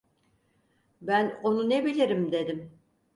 Ben onu ne bilirim dedim.